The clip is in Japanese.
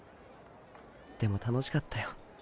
でも楽しかったよ。